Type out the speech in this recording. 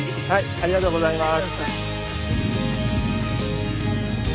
ありがとうございます。